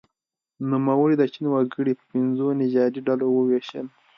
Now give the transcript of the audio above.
نوموړي د چین وګړي په پنځو نژادي ډلو وویشل.